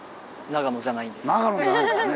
長野じゃないんだね。